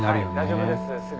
大丈夫です。